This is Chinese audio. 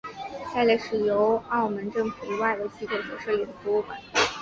下列是由澳门政府以外的机构所设立的博物馆。